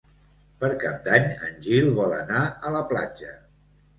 Per Cap d'Any en Gil vol anar a la platja.